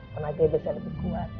tenaganya bisa lebih kuat